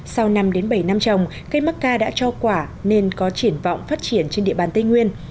sau năm bảy năm trồng cây macca đã cho quả nên có triển vọng phát triển trên địa bàn tây nguyên